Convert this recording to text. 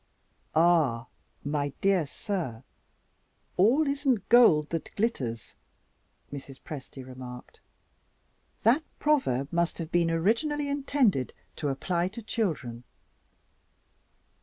"Ah, my dear sir, all isn't gold that glitters," Mrs. Presty remarked. "That proverb must have been originally intended to apply to children.